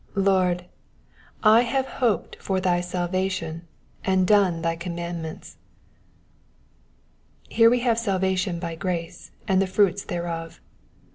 LoRD, / Jiave hoped for thy scUvation^ and done thy commandments,^^ Here we have salvation by grace, and the fruits thereof.